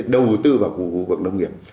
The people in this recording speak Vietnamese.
đầu tư vào khu vực nông nghiệp